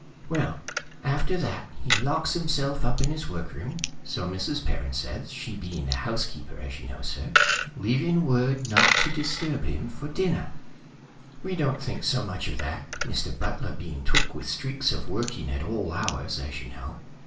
"Well, after that, he locks himself up in his workroom, so Mrs. Perrin says, she being housekeeper, as you know, sir, leaving word not to disturb him for dinner. "We don't think so much of that, Mr. Butler being took with streaks of working at all hours, as you know.